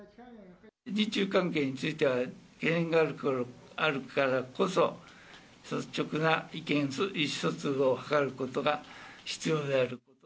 日中関係については、懸念があるからこそ、率直な意思疎通を図ることが必要である。